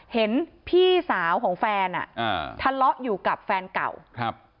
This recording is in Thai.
เห็นพี่สาวของแฟนทะเลาะอยู่กับแฟนเก่า